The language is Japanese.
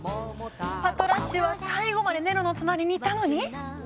パトラッシュは最後までネロの隣にいたのに？